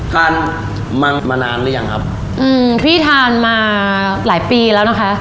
ทานมังมานานหรือยังครับอืมพี่ทานมาหลายปีแล้วนะคะ